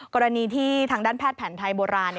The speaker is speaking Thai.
กรณีที่ทางด้านแพทย์แผนไทยโบราณ